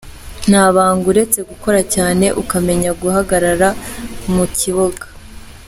Nta banga uretse gukora cyane ukamenya guhagarara mu kibuga.